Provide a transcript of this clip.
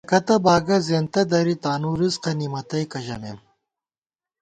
یَکَتہ باگہ زیَنتہ دری ، تانُو رِزِقہ نِمَتئیکہ ژَمېم